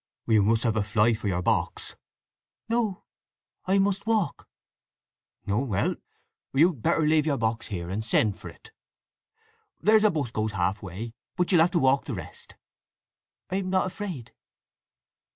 "You must have a fly for your box." "No. I must walk." "Oh well: you'd better leave your box here and send for it. There's a 'bus goes half way, but you'll have to walk the rest." "I am not afraid."